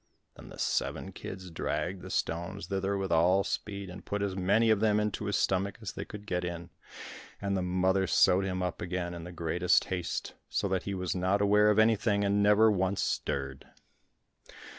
Then the seven kids dragged the stones thither with all speed, and put as many of them into his stomach as they could get in; and the mother sewed him up again in the greatest haste, so that he was not aware of anything and never once stirred.